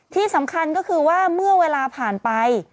ที่สำคัญก็คือว่าเมื่อเวลาผ่านไป